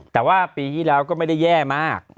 แต่ว่าปีที่แล้วก็ไม่ได้แย่มาก